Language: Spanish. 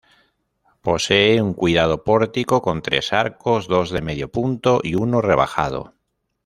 Posee un cuidado pórtico con tres arcos, dos de medio punto y uno rebajado.